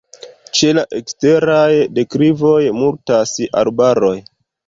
Ĉe la eksteraj deklivoj multas arbaroj.